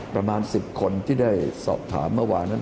ประมาณ๑๐คนที่ได้สอบถามเมื่อวานนั้น